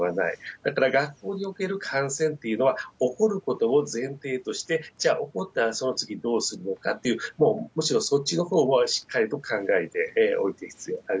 だから学校における感染っていうのは、起こることを前提として、じゃあ起こったらその次どうするのかっていう、もうむしろそっちのほうをしっかりと考えておいておく必要がある。